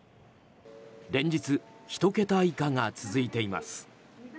連日、１桁以下が続いています。